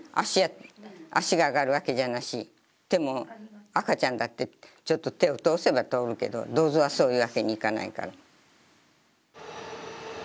足が上がるわけじゃなし手も赤ちゃんだってちょっと手を通せば通るけど銅像はそういうわけにいかないから。